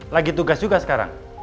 lagi tugas juga sekarang